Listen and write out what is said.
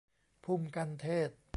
พุ่มกัณฑ์เทศน์